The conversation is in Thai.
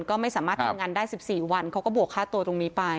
ก็ไม่สามารถทำงานได้๑๔วันเขาก็บวกค่าตัวตรงนี้ไป